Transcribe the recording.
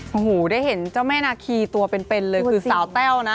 โอ้โหได้เห็นเจ้าแม่นาคีตัวเป็นเลยคือสาวแต้วนะ